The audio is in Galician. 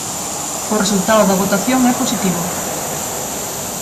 O resultado da votación é positivo.